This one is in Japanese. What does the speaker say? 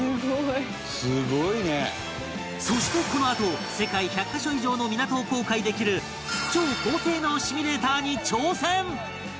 そしてこのあと世界１００カ所以上の港を航海できる超高性能シミュレーターに挑戦！